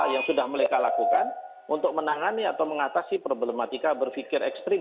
yang sudah mereka lakukan untuk menangani atau mengatasi problematika berpikir ekstrim